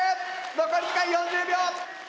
残り時間４０秒！